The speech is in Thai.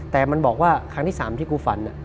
แต่มันบอกว่าครั้งที่๓ที่กูฝัน